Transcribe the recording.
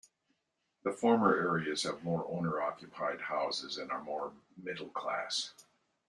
The former areas have more owner-occupied houses and are more middle-class.